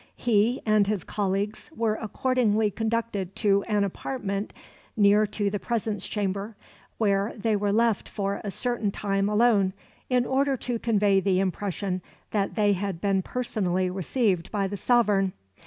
He and his colleagues were accordingly conducted to an apartment near to the presence chamber, where they were left for a certain time alone, in order to convey the impression that they had been personally received by the sovereign.